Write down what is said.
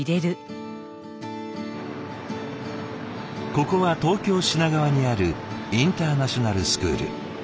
ここは東京・品川にあるインターナショナルスクール。